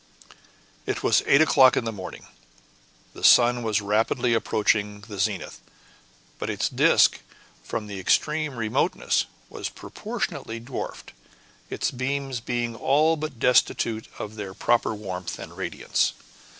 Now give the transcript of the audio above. It was eight o'clock in the morning. The sun was rapidly approaching the zenith; but its disc, from the extreme remoteness, was proportionately dwarfed; its beams being all but destitute of their proper warmth and radiance.